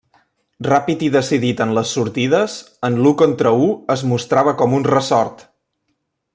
Ràpid i decidit en les sortides, en l'u contra u es mostrava com un ressort.